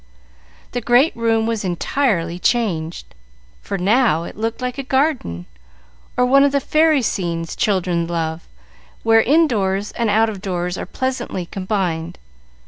The great room was entirely changed; for now it looked like a garden, or one of the fairy scenes children love, where in doors and out of doors are pleasantly combined.